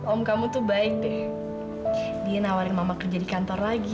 om kamu tuh baik deh dia nawarin mama kerja di kantor lagi